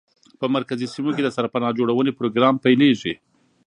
په مرکزي سیمو کې د سرپناه جوړونې پروګرام پیلېږي.